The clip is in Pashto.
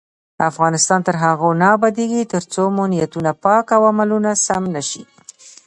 افغانستان تر هغو نه ابادیږي، ترڅو مو نیتونه پاک او عملونه سم نشي.